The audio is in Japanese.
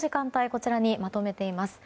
こちらにまとめています。